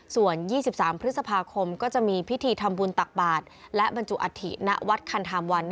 ส่วน๒๓พฤษภาคมก็จะมีพิธีทำบุญตักบาทและบรรจุอัฐิณวัดคันธามวัน